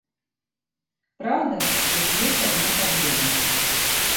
Праўда, тут ёсць адна праблема.